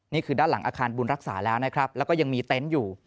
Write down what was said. นี่คือด้านหลังอาคารบุญรักษาแล้วนะครับแล้วก็ยังมีเต็นต์อยู่